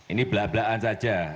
ini belak belakan saja